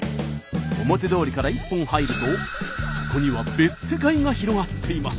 表通りから一本入るとそこには別世界が広がっています。